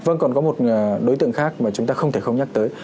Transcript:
vâng còn có một đối tượng khác mà chúng ta không thể không nhắc tới